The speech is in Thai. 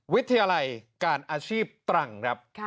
วิทยาลัยการอาชีพตรังครับ